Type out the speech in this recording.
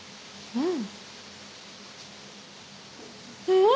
うん！